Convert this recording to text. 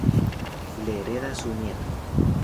Le hereda su nieto.